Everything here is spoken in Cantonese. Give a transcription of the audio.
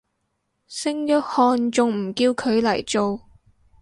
聖約翰仲唔叫佢嚟做